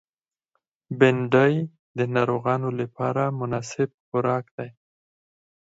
بېنډۍ د ناروغانو لپاره مناسب خوراک دی